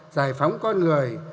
giải phóng con người